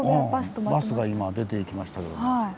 うんバスが今出て行きましたけども。